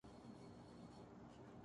ملتیں جب مٹ گئیں‘ اجزائے ایماں ہو گئیں